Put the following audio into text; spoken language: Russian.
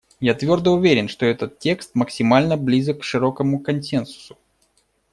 Я твердо уверен, что этот текст максимально близок к широкому консенсусу.